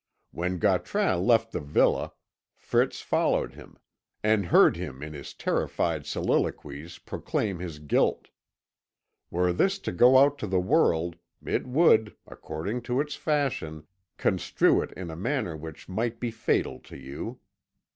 When Gautran left the villa, Fritz followed him, and heard him in his terrified soliloquies proclaim his guilt. Were this to go out to the world, it would, according to its fashion, construe it in a manner which might be fatal to you.